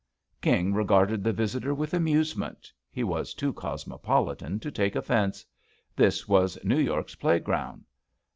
King regarded the visitor with amusement. He was too cos mopolitan to take offense. This was New York's playground.